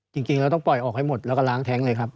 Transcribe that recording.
จริงแล้วต้องปล่อยออกให้หมดแล้วก็ล้างแท้งเลยครับ